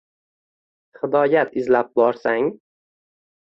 Hidoyat izlab borsang